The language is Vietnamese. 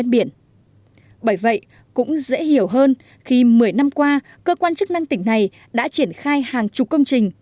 bởi vậy cũng dễ hiểu hơn khi một mươi năm qua cơ quan chức năng tỉnh này đã triển khai hàng chục công trình